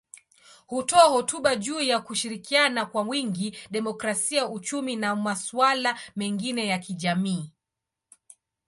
Hutoa hotuba juu ya kushirikiana kwa wingi, demokrasia, uchumi na masuala mengine ya kijamii.